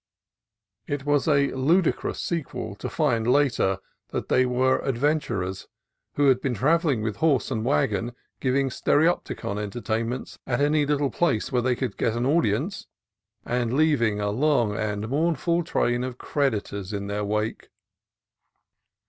It was a ludicrous sequel to find later that they were ad venturers who had been travelling with horse and wagon, giving stereopticon entertainments at any little place where they could get an audience, and leaving a long and mournful train of creditors in their wake.